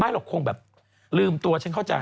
หรอกคงแบบลืมตัวฉันเข้าใจ